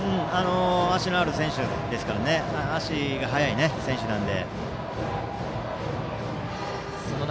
足のある選手ですから足が速い、選手なので。